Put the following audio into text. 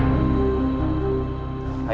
okeh mereka kaya gini ya